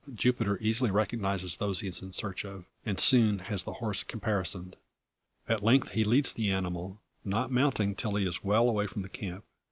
Jupiter easily recognises those he is in search of, and soon has the horse caparisoned. At length he leads the animal not mounting till he is well away from the camp.